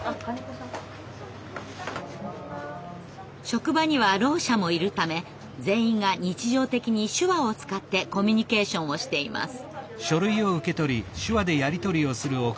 職場にはろう者もいるため全員が日常的に手話を使ってコミュニケーションをしています。